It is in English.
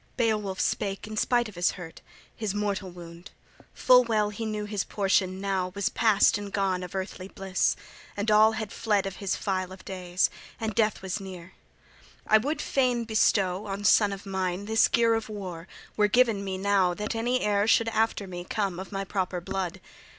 Beowulf spake in spite of his hurt, his mortal wound; full well he knew his portion now was past and gone of earthly bliss, and all had fled of his file of days, and death was near: "I would fain bestow on son of mine this gear of war, were given me now that any heir should after me come of my proper blood.